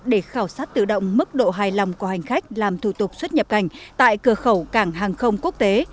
để khảo sát tự động mức độ hài lòng của hành khách làm thủ tục xuất nhập cảnh tại cửa khẩu cảng hàng không quốc tế